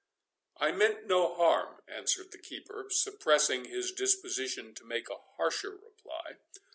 "I meant no harm," answered the keeper, suppressing his disposition to make a harsher reply.